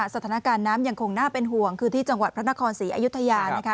สถานการณ์น้ำยังคงน่าเป็นห่วงคือที่จังหวัดพระนครศรีอยุธยานะคะ